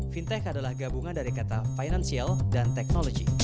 fintech adalah gabungan dari kata financial dan teknologi